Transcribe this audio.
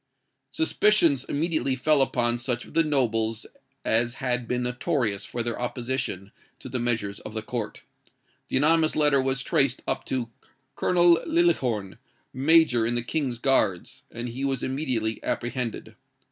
"Suspicions immediately fell upon such of the nobles as had been notorious for their opposition to the measures of the court. The anonymous letter was traced up to Colonel Liljehorn, Major in the King's Guards, and he was immediately apprehended.